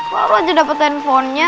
baru aja dapetinifiesnya